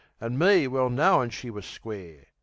An' me well knowin' she was square.